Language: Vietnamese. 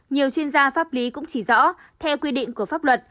nhiều chuyên gia pháp lý cũng chỉ rõ theo quy định của pháp luật